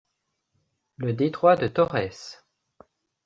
Le détroit de Torrès